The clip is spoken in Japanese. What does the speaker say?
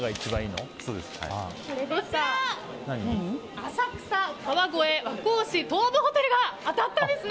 浅草・川越・和光市東武ホテルが当たったんですね！